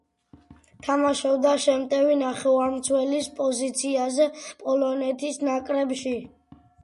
თამაშობდა შემტევი ნახევარმცველის პოზიციაზე პოლონეთის ნაკრებში.